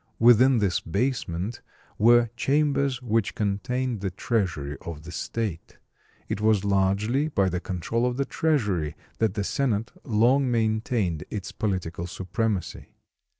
Within this basement were chambers which contained the treasury of the state. It was largely by the control of the treasury that the senate long maintained its political supremacy.